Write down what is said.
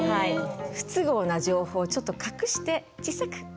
不都合な情報ちょっと隠して小さく。